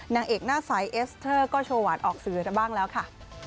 นางเอกหน้าใสเอสเตอร์ก็โชว์หวานออกสื่อได้บ้างแล้วค่ะ